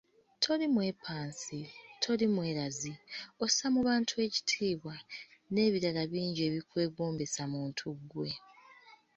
Toli mwepansi, toli mwerazi, ossa mu bantu ekitiibwa n'ebirala bingi ebikwegombesa muntu ggwe.